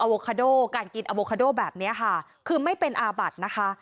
โวคาโดการกินอโวคาโดแบบนี้ค่ะคือไม่เป็นอาบัตินะคะ